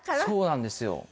そうなんですよ。